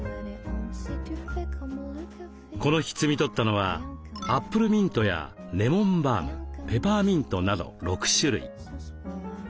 この日摘み取ったのはアップルミントやレモンバームペパーミントなど６種類。